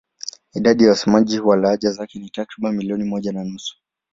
Idadi ya wasemaji wa lahaja zake ni takriban milioni moja na nusu.